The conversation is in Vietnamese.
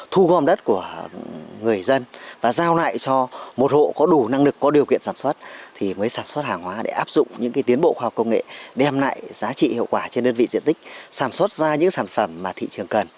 thu gom đất của người dân và giao lại cho một hộ có đủ năng lực có điều kiện sản xuất thì mới sản xuất hàng hóa để áp dụng những tiến bộ khoa học công nghệ đem lại giá trị hiệu quả trên đơn vị diện tích sản xuất ra những sản phẩm mà thị trường cần